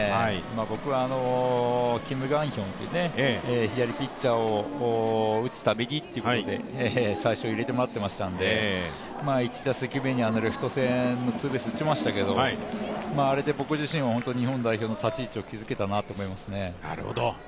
僕はキム・ガンヒョンという左ピッチャーを打つために最初、入れてもらっていましたんで、１打席目にあのレフト線のツーベース打ちましたけど、あれで僕自身は日本代表の立ち位置を築けたなと思いますね。